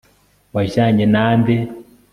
wajyanye na nde